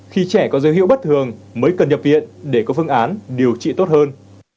khi trẻ có dấu hiệu bất thường mới cần nhập viện để có phương án điều trị tốt hơn